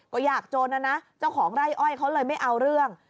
ก็ยากจนนะนะเจ้าของไร่อ้อยเขาเลยไม่เอาเรื่อง